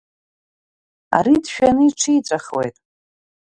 Ари дшәаны иҽиҵәахуеит.